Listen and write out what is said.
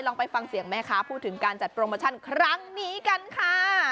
ไปฟังเสียงแม่ค้าพูดถึงการจัดโปรโมชั่นครั้งนี้กันค่ะ